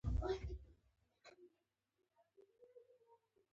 کورونه یې ویجاړ کړل.